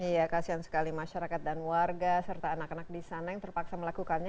iya kasian sekali masyarakat dan warga serta anak anak disana yang terpaksa melakukannya